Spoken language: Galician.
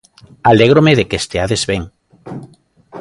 alégrome de que esteades ben.